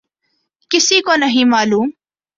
کسی کو نہیں معلوم۔